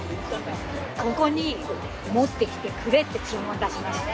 ここに持ってきてくれって注文出しました。